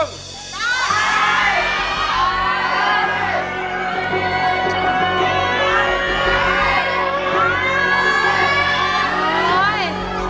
ได้